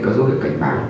có dấu hiệu cảnh báo